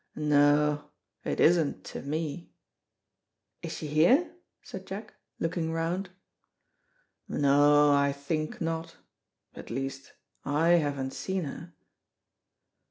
"No, it isn't to me." "Is she here?" said Jack, looking round. "No I think not; at least I haven't seen her."